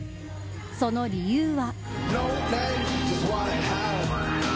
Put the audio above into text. その理由は。